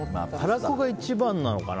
たらこが一番なのかな。